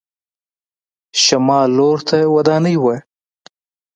شمال لور ته ودانۍ وه.